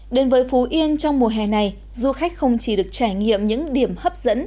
đến với phú yên trong mùa hè này du khách không chỉ được trải nghiệm những điểm hấp dẫn